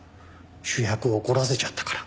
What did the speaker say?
主役を怒らせちゃったから。